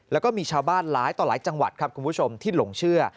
แล้วก็มีชาวบ้านหลายต่อหลายจังหวัดครับคุณผู้ชมที่หลงเชื่อ